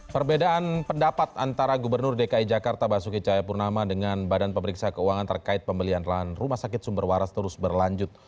perbedaan pendapat antara gubernur dki jakarta basuki cahayapurnama dengan badan pemeriksa keuangan terkait pembelian lahan rumah sakit sumber waras terus berlanjut